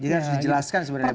jadi harus dijelaskan sebenarnya